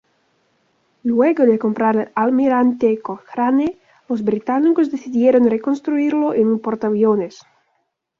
Luego de comprar el "Almirante Cochrane", los británicos decidieron reconstruirlo en un portaviones.